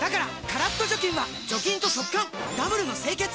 カラッと除菌は除菌と速乾ダブルの清潔！